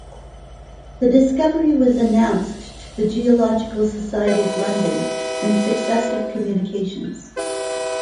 The discovery was announced to the Geological Society of London in successive communications.